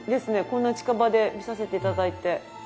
こんな近場で見させて頂いて。